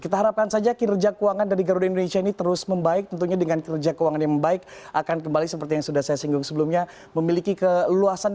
kita harapkan saja kerja keuangan dari garuda indonesia ini terus membaik tentunya dengan kerja keuangan yang baik akan kembali seperti yang sudah saya sampaikan